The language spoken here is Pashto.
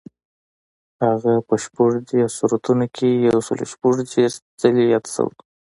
هغه په شپږ دېرش سورتونو کې یو سل شپږ دېرش ځلي یاد شوی.